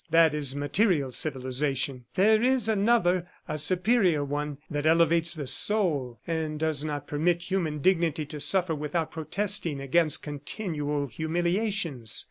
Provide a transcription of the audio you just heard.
That is material civilization. There is another, a superior one, that elevates the soul and does not permit human dignity to suffer without protesting against continual humiliations.